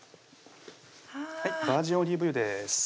はぁバージンオリーブ油です